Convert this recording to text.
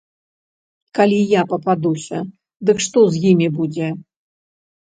Калі я пападуся, дык што з імі будзе?